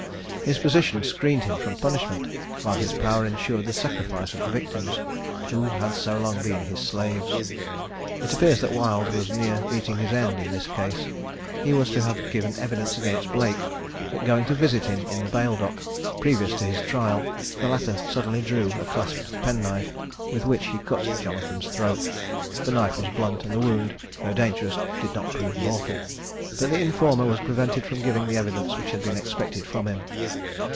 His position screened him from punishment, while his power ensured the sacrifice of the victims, who had so long been his slaves. It appears that Wild was near meeting his end in this case. He was to have given evidence against Blake, but going to visit him in the bail dock, previous to his trial, the latter suddenly drew a clasped penknife, with which he cut Jonathan's throat. The knife was blunt, and the wound, though dangerous, did not prove mortal; but the informer was prevented from giving the evidence which had been expected from him.